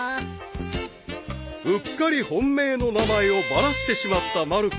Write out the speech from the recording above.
［うっかり本命の名前をバラしてしまったまる子］